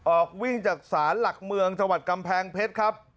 ออกวิ่งจากศาลหลักเมืองจังหวัดกำแพงเพชรครับ